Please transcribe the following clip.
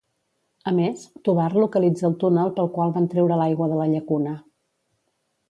A més, Tovar localitza el túnel pel qual van treure l'aigua de la llacuna.